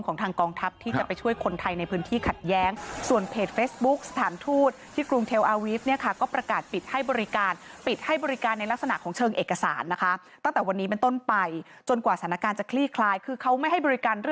ขอบคุณครับ